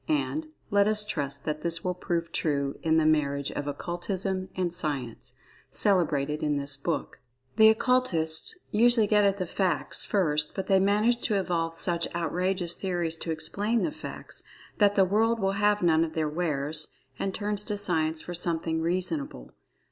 And, let us trust that this will prove true in this marriage of Occultism and Science, celebrated in this book. The Occultists usually get at the "facts," first, but they manage to evolve such outrageous theories to explain the facts, that the world will have none of their wares, and turns to Science for something "reasonable."